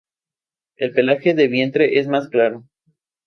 El pelaje de vientre es más claro.